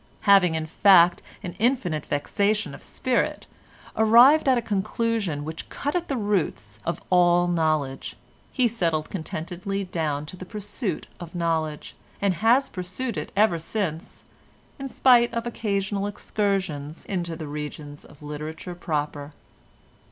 Having in fact, after infinite vexation of spirit, arrived at a conclusion which cut at the roots of all knowledge, he settled contentedly down to the pursuit of knowledge, and has pursued it ever since in spite of occasional excursions into the regions of literature proper.